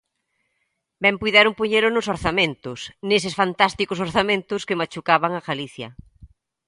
Ben puideron poñelo nos orzamentos, neses fantásticos orzamentos que machucaban a Galicia.